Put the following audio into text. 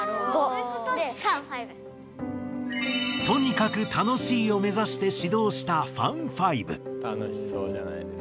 「とにかく楽しい」を目ざして始動した楽しそうじゃない。